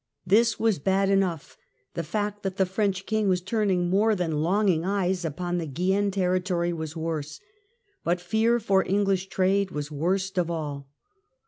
This was bad enough, the fact that the French King was turning more than longing eyes upon the Guienne territory was worse, but fear for English trade was worst of all.